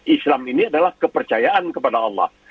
islam ini adalah kepercayaan kepada allah